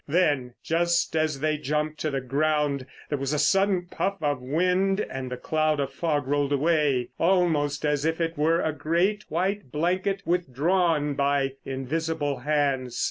Then, just as they jumped to the ground, there was a sudden puff of wind and the cloud of fog rolled away, almost as if it were a great white blanket withdrawn by invisible hands.